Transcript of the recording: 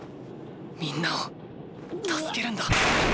みんなを助けるんだうぐっ！